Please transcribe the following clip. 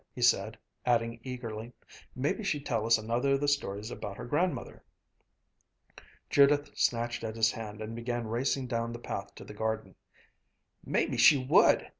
he said, adding eagerly, "Maybe she'd tell us another of the stories about her grandmother." Judith snatched at his hand and began racing down the path to the garden. "Maybe she would!"